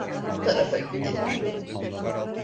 Bu tarafa gidelim.